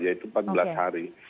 yaitu empat belas hari